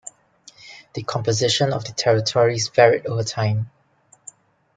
The composition of the territories varied over time.